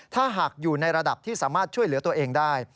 ถ้าหากอยู่ในระดับที่สามารถช่วยเหลือตัวเองได้